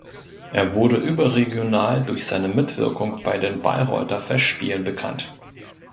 Er wurde überregional durch seine Mitwirkung bei den Bayreuther Festspielen bekannt.